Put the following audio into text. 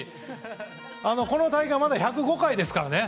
この大会まだ１０５回ですからね。